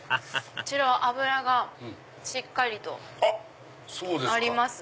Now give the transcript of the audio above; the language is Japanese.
脂がしっかりとあります。